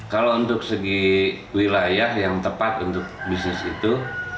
kalau untuk segi wilayah yang tepat untuk bisnis itu